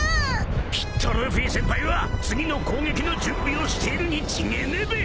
［きっとルフィ先輩は次の攻撃の準備をしているに違えねえべ！］